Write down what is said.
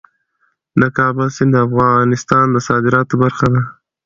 د کابل سیند د افغانستان د صادراتو برخه ده.